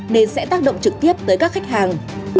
nên sẽ tác động trực tiếp tới các khách hàng